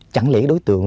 chẳng lẽ đối tượng